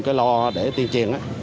cái lo để tiên triền